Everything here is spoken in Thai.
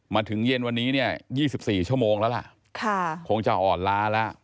มาถึงเย็นวันนี้เนี่ย๒๔ชั่วโมงแล้วล่ะคงจะอ่อนล้าแล้ว